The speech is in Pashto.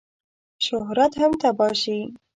شهرت هم تباه شي.